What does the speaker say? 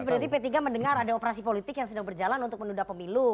berarti p tiga mendengar ada operasi politik yang sedang berjalan untuk menunda pemilu